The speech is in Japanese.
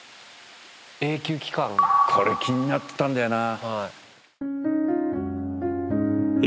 「永久機関」これ気になってたんだよな。